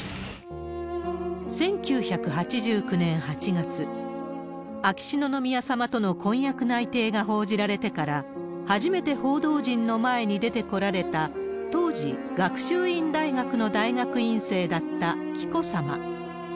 １９８９年８月、秋篠宮さまとの婚約内定が報じられてから、初めて報道陣の前に出てこられた当時、学習院大学の大学院生だった紀子さま。